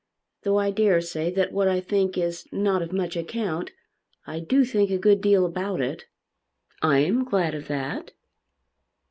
Though I dare say that what I think is not of much account, I do think a good deal about it." "I am glad of that."